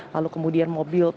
lalu kemudian mobil tersebut